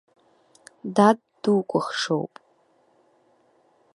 Дад дукәыхшоуп.